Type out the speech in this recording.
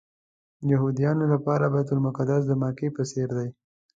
د یهودانو لپاره بیت المقدس د مکې په څېر دی.